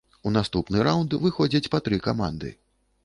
У наступны раўнд выходзяць па тры каманды.